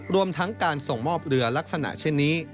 รวมทั้งการส่งมอบเรือลักษณะเช่นนี้